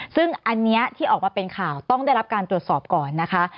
ซึ่งอันนี้ที่ออกมาเป็นข่าวต้องได้รับการตรวจสอบก่อนนะคะ